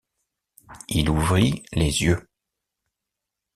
Il ouvrit les yeux.